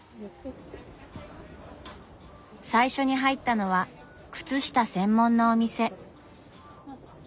最初に入ったのは靴下専門のお店。